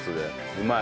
うまい！